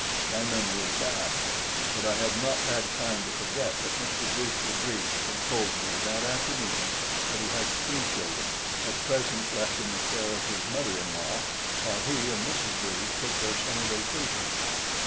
My memory is bad; but I had not had time to forget that Mr. Brewster Brede had told me that afternoon that he had three children, at present left in the care of his mother in law, while he and Mrs. Brede took their summer vacation.